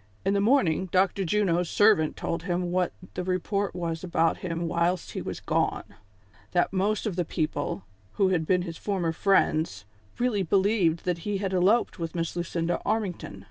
" In the morning Dr. Juno's servant told him what the report was about him whilst he was gone ; that most of the people, who had been his former friends, really believed that he had eloped with Miss Lucinda Armington.